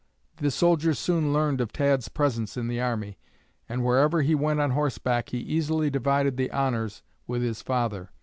The soldiers soon learned of Tad's presence in the army, and wherever he went on horseback he easily divided the honors with his father.